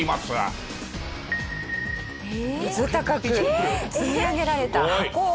うずたかく積み上げられた箱を。